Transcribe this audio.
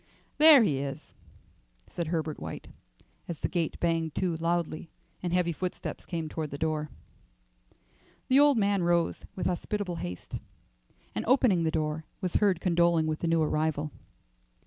"There he is," said Herbert White, as the gate banged to loudly and heavy footsteps came toward the door. The old man rose with hospitable haste, and opening the door, was heard condoling with the new arrival.